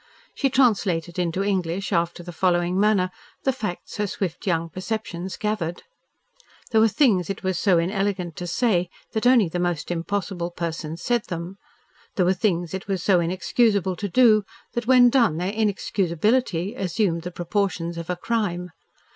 She translated into English after the following manner the facts her swift young perceptions gathered. There were things it was so inelegant to say that only the most impossible persons said them; there were things it was so inexcusable to do that when done their inexcusability assumed the proportions of a crime.